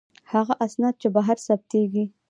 هغه اسناد چې بهر ثبتیږي.